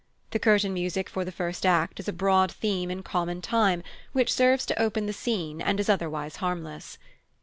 The curtain music for the first act is a broad theme in common time, which serves to open the scene and is otherwise harmless.